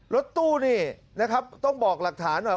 รถตู้นี่นะครับต้องบอกหลักฐานหน่อย